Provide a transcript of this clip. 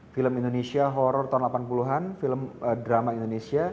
film indonesia horror tahun delapan puluh an film drama indonesia